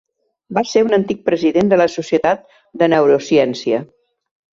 Va ser un antic president de la Societat de Neurociència.